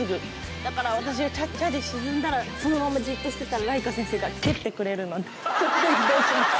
だから、私がちゃっちゃで沈んだら、そのままじっとしてたら来夏先生が蹴ってくれるので、それで移動します。